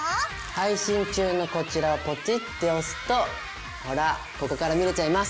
配信中のこちらをポチッて押すとほらここから見れちゃいます。